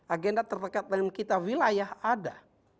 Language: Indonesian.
agenda terdekat dengan kita wilayah ada